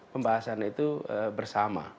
pembahasan itu bersama